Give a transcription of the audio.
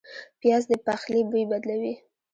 پیاز د پخلي بوی بدلوي